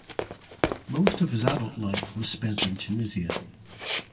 Most of his adult life was spent in Tunisia.